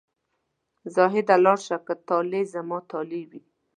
زاهده لاړ شه که طالع زما طالع وي.